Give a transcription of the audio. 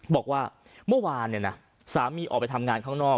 บอกว่าเมื่อวานเนี่ยนะสามีออกไปทำงานข้างนอก